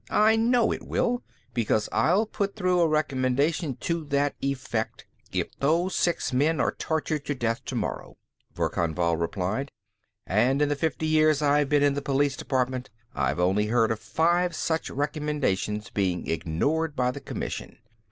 "I know it will, because I'll put through a recommendation to that effect, if those six men are tortured to death tomorrow," Verkan Vall replied. "And in the fifty years that I've been in the Police Department, I've only heard of five such recommendations being ignored by the commission.